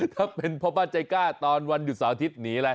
ถ้าเป็นพ่อบ้านใจกล้าตอนวันหยุดเสาร์อาทิตย์หนีอะไร